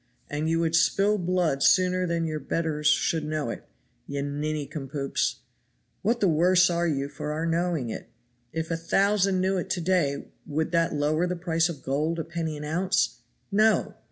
And you would spill blood sooner than your betters should know it ye ninny cumpoops! What the worse are you for our knowing it? If a thousand knew it to day would that lower the price of gold a penny an ounce? No!